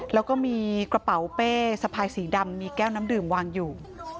แล้วก็มีกระเป๋าเป้สะพายสีดำมีแก้วน้ำดื่มวางอยู่